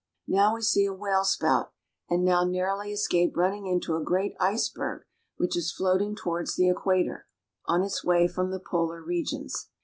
Now we see a whale spout, and now narrowly escape running into a great iceberg which is floating towards the Equator, on its way from the polar regions.